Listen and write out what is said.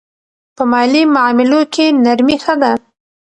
په مالي معاملو کې نرمي ښه ده.